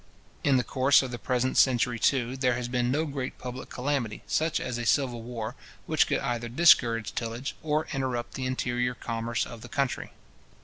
In the course of the present century, too, there has been no great public calamity, such as a civil war, which could either discourage tillage, or interrupt the interior commerce of the country.